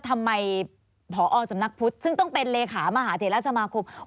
ทำไมผอสำนักพุทธซึ่งต้องเป็นเลขามหาเทราสมาคม